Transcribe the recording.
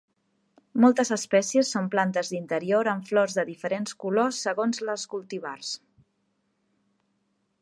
Moltes espècies són plantes d'interior amb flors de diferents colors segons les cultivars.